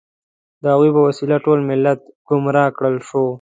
د هغوی په وسیله ټول ملت ګمراه کړل شو.